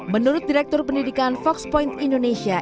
menurut direktur pendidikan fox point indonesia